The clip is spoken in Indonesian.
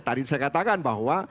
tadi saya katakan bahwa